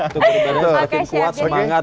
semakin kuat semangat